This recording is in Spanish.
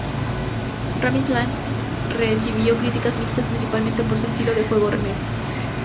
Rabbids Land recibió críticas mixtas, principalmente por su estilo de juego de mesa.